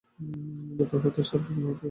ব্যর্থ, হতাশা আর ভগ্নাহত হৃদয়ে তিনি ফিরে আসেন।